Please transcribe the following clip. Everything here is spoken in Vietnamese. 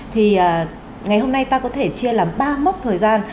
thì ngày hôm nay ta có thể chia làm ba mốc thời gian